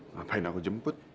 ngapain aku jemput